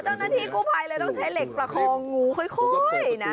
เจ้าหน้าที่กู้ภัยเลยต้องใช้เหล็กประคองงูค่อยนะ